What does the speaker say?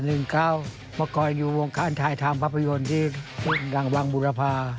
เมื่อก่อนอยู่วงการถ่ายทำภาพยนตร์ที่ดังวังบุรพา